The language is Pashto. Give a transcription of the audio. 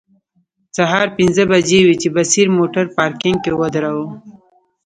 سهار پنځه بجې وې چې بصیر موټر پارکینګ کې ودراوه.